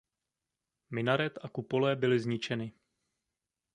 Minaret a kupole byly zničeny.